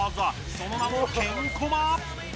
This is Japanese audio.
その名も「けんコマ」！